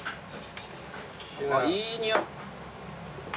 あっいい匂い。